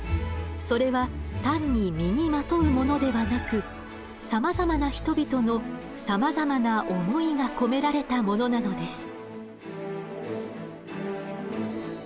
それは単に身にまとうものではなくさまざまな人々のさまざまな思いが込められたものなのです。